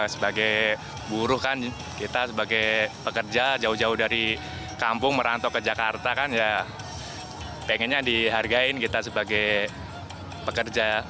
sebagai buruh kan kita sebagai pekerja jauh jauh dari kampung merantau ke jakarta kan ya pengennya dihargain kita sebagai pekerja